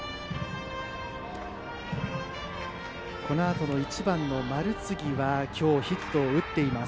このあとの１番の丸次は今日はヒットを打っています。